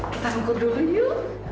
kita angkat dulu yuk